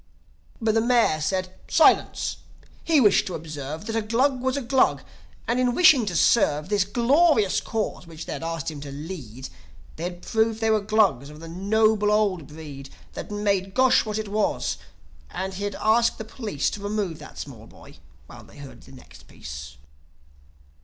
But the Mayor said: Silence! He wished to observe That a Glug was a Glug; and in wishing to serve This glorious Cause, which they'd asked him to lead, They had proved they were Glugs of the noble old breed That made Gosh what it was ... and he'd ask the police To remove that small boy while they heard the next piece.